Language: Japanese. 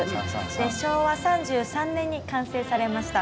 昭和３３年に完成されました。